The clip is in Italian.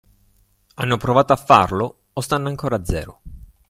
Hanno provato a farlo, o stanno ancora a zero?